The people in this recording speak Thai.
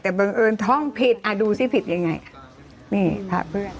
แต่บังเอิญท่องผิดอ่ะดูสิผิดยังไงนี่พระเพื่อน